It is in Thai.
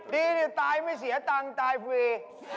ดีดิตายไม่เสียตังค์ตายฟรี